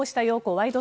ワイド！